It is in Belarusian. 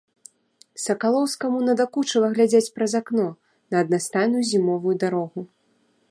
Сакалоўскаму надакучыла глядзець праз акно на аднастайную зімовую дарогу.